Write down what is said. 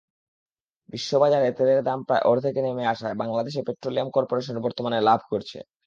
বিশ্ববাজারে তেলের দাম প্রায় অর্ধেকে নেমে আসায় বাংলাদেশ পেট্রোলিয়াম করপোরেশন বর্তমানে লাভ করছে।